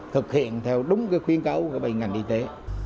thực hiện theo đúng khuyên cấu của bệnh ngành y tế